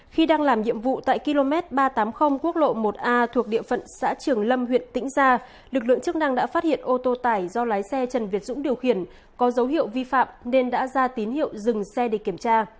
khi đang làm nhiệm vụ tại km ba trăm tám mươi quốc lộ một a thuộc địa phận xã trường lâm huyện tĩnh gia lực lượng chức năng đã phát hiện ô tô tải do lái xe trần việt dũng điều khiển có dấu hiệu vi phạm nên đã ra tín hiệu dừng xe để kiểm tra